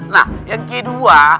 nah yang kedua